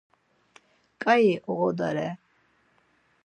Ǩai oğodere.